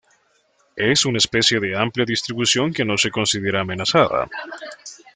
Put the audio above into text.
Es una especie de amplia distribución que no se considera amenazada.